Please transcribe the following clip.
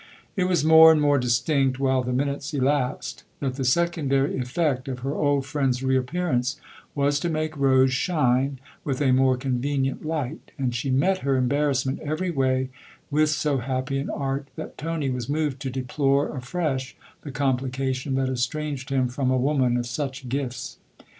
It was more and more distinct while the minutes elapsed that the secondary effect of her old friend's reappearance was to make Rose shine with a more convenient light ; and she met her embarrassment, every way, with so happy an art that Tony was moved to deplore afresh the complication that estranged him from a woman of such gifts.